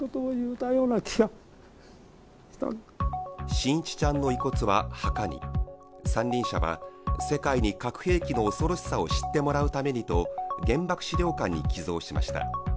伸一ちゃんの遺骨は墓に、三輪車は、世界に核兵器の恐ろしさを知ってもらうためにと原爆資料館に寄贈しました。